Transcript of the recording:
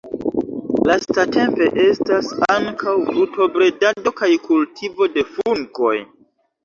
Lastatempe estas ankaŭ brutobredado kaj kultivo de fungoj.